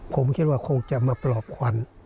ผมคิดว่าคงจะมาปลอบควัน